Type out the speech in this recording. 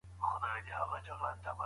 که موږ متحد سو هېواد ابادیږي.